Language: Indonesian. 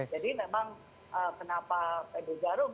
jadi memang kenapa pb jarum